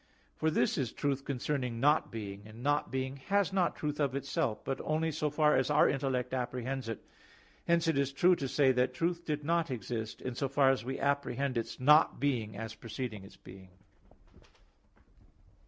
For this is truth concerning not being; and not being has not truth of itself, but only so far as our intellect apprehends it. Hence it is true to say that truth did not exist, in so far as we apprehend its not being as preceding its being.